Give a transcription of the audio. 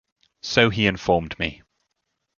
So he informed me.